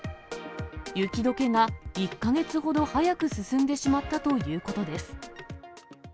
雪どけが１か月ほど早く進んでしまったということです。